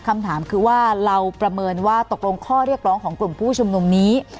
คำถามคือว่าเราประเมินว่าตกลงข้อเรียกร้องของกลุ่มผู้ชุมนุมนี้